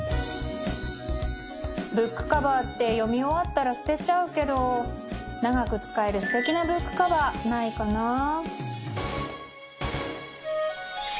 ブックカバーって読み終わったら捨てちゃうけど長く使えるすてきなブックカバーないかなあ